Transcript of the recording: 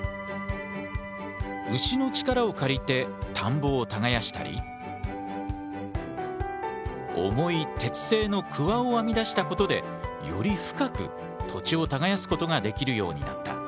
牛の力を借りて田んぼを耕したり重い鉄製のクワを編み出したことでより深く土地を耕すことができるようになった。